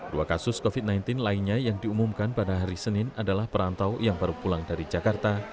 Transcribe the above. dua kasus covid sembilan belas lainnya yang diumumkan pada hari senin adalah perantau yang baru pulang dari jakarta